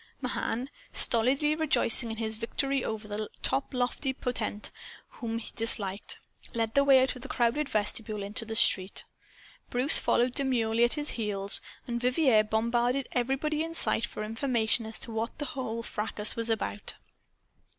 Mahan, stolidly rejoicing in his victory over the top lofty potentate whom he disliked, led the way out of the crowded vestibule into the street. Bruce followed demurely at his heels and Vivier bombarded everybody in sight for information as to what the whole fracas was about.